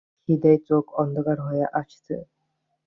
খিদেয় চোখ অন্ধকার হয়ে আসছে।